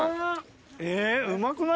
えー、うまくない？